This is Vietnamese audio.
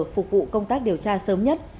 phục vụ công tác điều tra sớm nhất